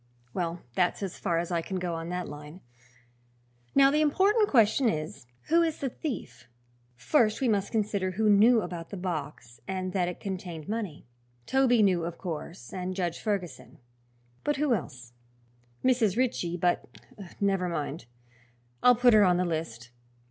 Well, that's as far as I can go on that line. Now, the important question is, who is the thief? First we must consider who knew about the box and that it contained money. Toby knew, of course, and Judge Ferguson. But who else? Mrs. Ritchie, but Never mind; I'll put her on the list.